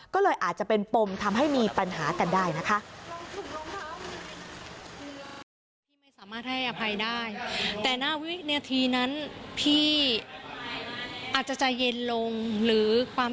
ก็เลยอาจจะเป็นปมทำให้มีปัญหากันได้นะคะ